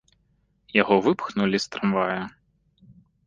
Яго выпхнулі з трамвая.